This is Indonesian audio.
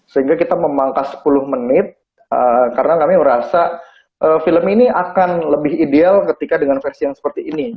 sehingga kita memangkas sepuluh menit karena kami merasa film ini akan lebih ideal ketika dengan versi yang seperti ini